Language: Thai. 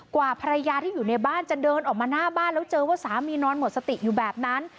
กว่าภรรยาที่อยู่ในบ้านจะเดินออกมาหน้าบ้านแล้วเจอว่าสามีนอนหมดสติอยู่แบบนั้น